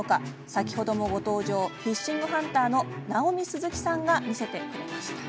先ほどもご登場フィッシングハンターのＮａｏｍｉＳｕｚｕｋｉさんが見せてくれました。